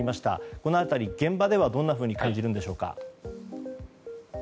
この辺り、現場ではどんなふうに感じるんでしょうか。